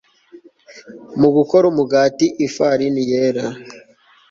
Mu gukora umugati ifarini yera